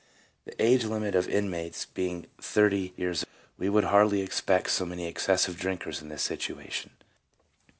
The age limit of inmates being thirty years, we would hardly expect so many excessive drinkers in this institution.